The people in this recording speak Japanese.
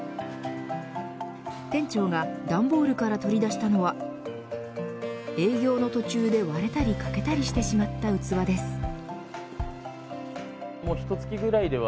店長が段ボールから取り出したのは営業の途中で割れたり欠けたりしてしまった器です。